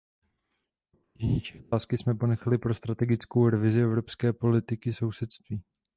Obtížnější otázky jsme ponechali pro strategickou revizi evropské politiky sousedství.